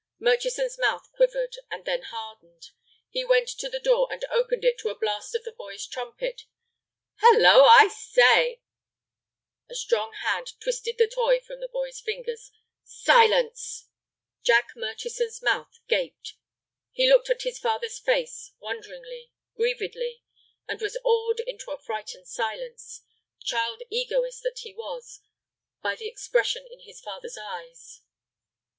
Murchison's mouth quivered, and then hardened. He went to the door, and opened it to a blast of the boy's trumpet. "Hallo, I say—" A strong hand twisted the toy from the boy's fingers. "Silence." Jack Murchison's mouth gaped. He looked at his father's face, wonderingly, grievedly, and was awed into a frightened silence, child egoist that he was, by the expression in his father's eyes.